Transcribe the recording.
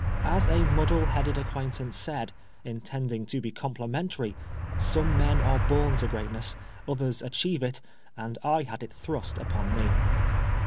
As a muddle headed acquaintance said, intending to be complimentary. Some men are born to greatness, others achieve it, and I had it thrust upon me.